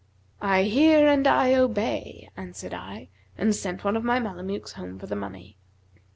'I hear and I obey,' answered I, and sent one of my Mamelukes home for the money.